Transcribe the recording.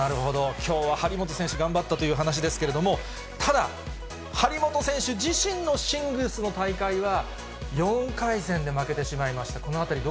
きょうは張本選手、頑張ったという話ですけれども、ただ、張本選手自身のシングルスの大会は、４回戦で負けてしまいました。